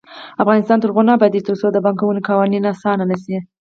افغانستان تر هغو نه ابادیږي، ترڅو د پانګونې قوانین اسانه نشي.